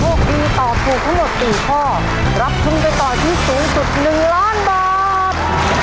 โชคดีตอบถูกทั้งหมดสี่ข้อรับทุนไปต่อที่สูงสุดหนึ่งล้านบาท